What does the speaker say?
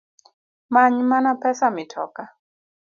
Manymana pesa mitoka